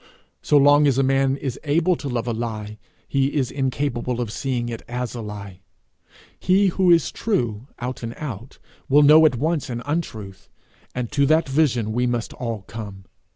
So long as a man is able to love a lie, he is incapable of seeing it is a lie. He who is true, out and out, will know at once an untruth; and to that vision we must all come.